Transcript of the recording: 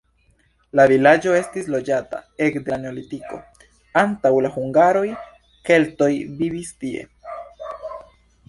La vilaĝo estis loĝata ekde la neolitiko, antaŭ la hungaroj keltoj vivis tie.